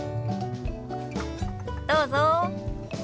どうぞ。